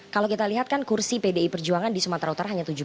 kalau kita lihat kan kursi pdi perjuangan di sumatera utara hanya tujuh belas